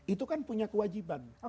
itu kan punya kewajiban